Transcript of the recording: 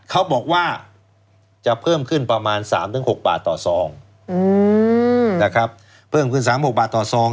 เขาบอกว่าจะเพิ่มขึ้นประมาณ๓๖บาทต่อซอง